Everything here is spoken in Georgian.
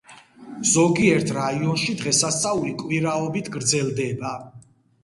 ზოგიერთ რაიონში დღესასწაული კვირაობით გრძელდება.